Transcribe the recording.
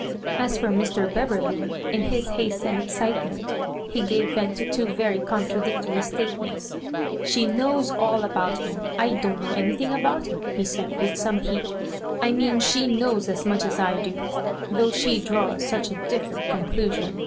As for Mr. Beverley, in his haste and excite ment he gave vent to two very contradictory statements. "She knows all about him. I dont know nnjrthing about hun," he said with some heat. "I mean she knows as much as I do, though she draws sudi a different conduaion.